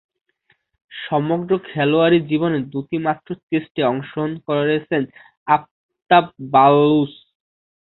সমগ্র খেলোয়াড়ী জীবনে দুইটিমাত্র টেস্টে অংশগ্রহণ করেছেন আফতাব বালুচ।